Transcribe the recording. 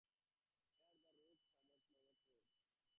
Here the road is South Mammoth Road.